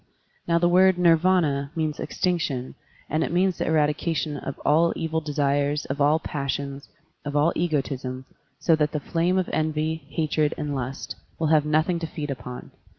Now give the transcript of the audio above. Now the word Nirvdna means "extinction and it means the eradication of all evil desires, of all passions, of all egotism, so that the flame of envy, hatred, and lust will have nothing to feed upon.